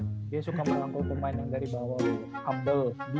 dia suka melangkul pemain yang dari bawah lu